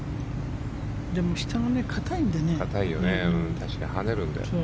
でも、下が硬いんでね。